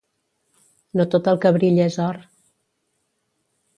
No tot el que brilla és or